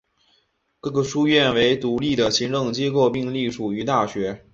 各个书院为独立的行政机构并隶属于大学。